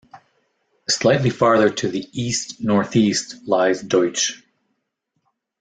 Slightly farther to the east-northeast lies Deutsch.